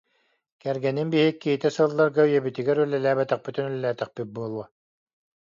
Кэргэним биһикки ити сылларга үйэбитигэр үлэлээбэтэхпитин үлэлээтэхпит буолуо.